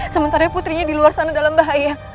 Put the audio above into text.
sementara putrinya di luar sana dalam bahaya